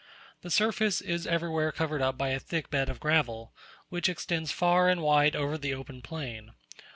The surface is everywhere covered up by a thick bed of gravel, which extends far and wide over the open plain.